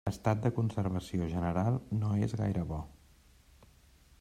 L'estat de conservació general no és gaire bo.